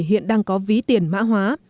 hiện đang có ví tiền mã hóa